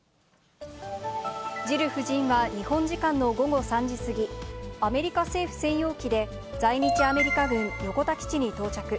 ジル夫人は日本時間の午後３時過ぎ、アメリカ政府専用機で、在日アメリカ軍横田基地に到着。